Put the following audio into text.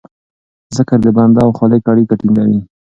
ذکر د بنده او خالق اړیکه ټینګوي.